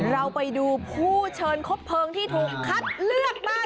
เราไปดูผู้เชิญคบเพลิงที่ถูกคัดเลือกบ้าง